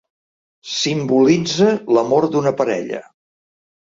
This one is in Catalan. Simbolitza l'amor d'una parella.